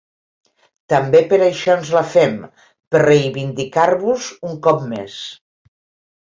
També per això ens la fem, per reivindicar-vos un cop més.